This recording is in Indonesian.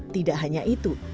tidak hanya itu